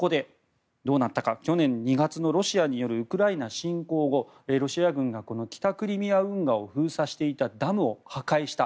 そこで、去年２月のロシアによるウクライナ侵攻後ロシア軍が北クリミア運河を封鎖していたダムを破壊した。